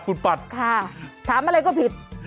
ค่ะถามอะไรก็ผิด